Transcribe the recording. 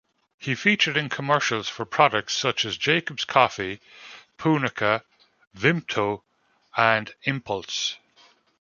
He featured in commercials for products such as Jacobs Coffee, Punica, Vimto, and Impulse.